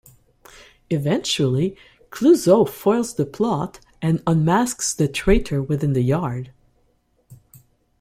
Eventually, Clouseau foils the plot and unmasks the traitor within the Yard.